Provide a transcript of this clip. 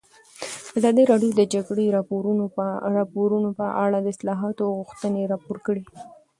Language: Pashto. ازادي راډیو د د جګړې راپورونه په اړه د اصلاحاتو غوښتنې راپور کړې.